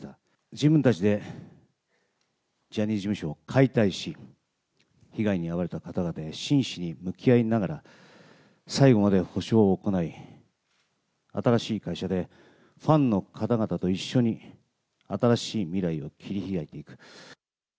自分たちでジャニーズ事務所を解体し、被害に遭われた方々へ真摯に向き合いながら、最後まで補償を行い、新しい会社でファンの方々と一緒に新しい未来を切り開いていく。